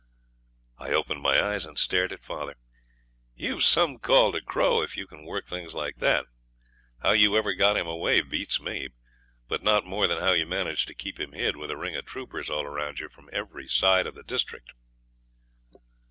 I opened my eyes and stared at father. 'You've some call to crow if you can work things like that. How you ever got him away beats me; but not more than how you managed to keep him hid with a ring of troopers all round you from every side of the district.'